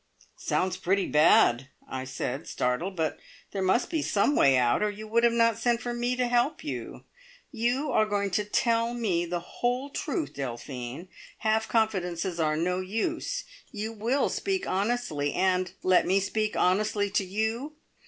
"Sounds pretty bad!" I said, startled. "But there must be some way out, or you would not have sent for me to help you. You are going to tell me the whole truth, Delphine! Half confidences are no use. You will speak honestly, and let me speak honestly to you?"